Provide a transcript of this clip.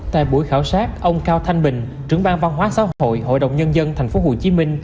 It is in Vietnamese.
tại buổi khảo sát ông cao thanh bình trưởng ban văn hóa xã hội hội đồng nhân dân tp hcm